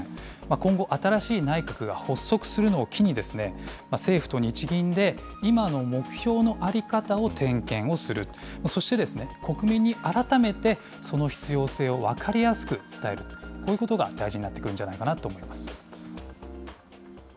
今後、新しい内閣が発足するのを機に、政府と日銀で今の目標の在り方を点検をする、そして国民に改めて、その必要性を分かりやすく伝える、こういうことが大事になってくるんじゃないかなと思います。